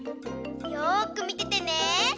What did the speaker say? よくみててね。